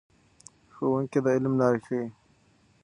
ښوونکي د علم لارې ښیي.